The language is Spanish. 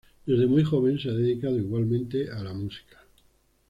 Desde muy joven se ha dedicado igualmente a la música.